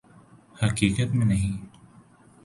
حقیقت میں نہیں